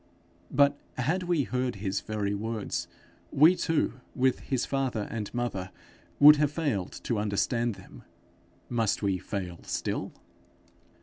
But had we heard his very words, we too, with his father and mother, would have failed to understand them. Must we fail still?